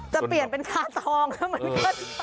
จะเปลี่ยนเป็นคาทองก็เหมือนกัน